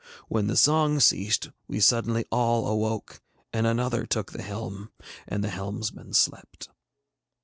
When the song ceased we suddenly all awoke, and another took the helm, and the helmsman slept.